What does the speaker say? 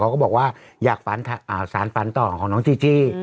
ก็บอกว่าอยากฝันสารฝันต่อของน้องจีจี้